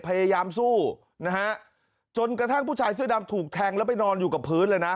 พยายามสู้นะฮะจนกระทั่งผู้ชายเสื้อดำถูกแทงแล้วไปนอนอยู่กับพื้นเลยนะ